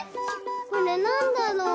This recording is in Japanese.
これなんだろう？